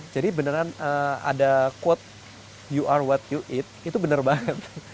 jadi beneran ada quote you are what you eat itu bener banget